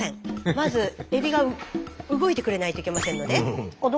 まずエビが動いてくれないといけませんので。